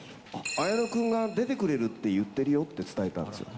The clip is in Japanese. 綾野君が出てくれるって言ってるよって伝えたんですよ。